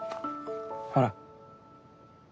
ほら。